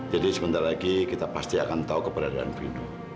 jadi sebentar lagi kita pasti akan tahu keberadaan vino